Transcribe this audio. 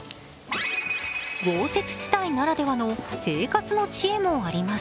豪雪地帯ならではの生活の知恵もあります。